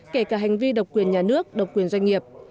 kể cả hành vi độc quyền nhà nước độc quyền doanh nghiệp